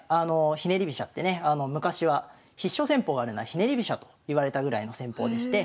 ひねり飛車ってね昔は必勝戦法があるならひねり飛車といわれたぐらいの戦法でして。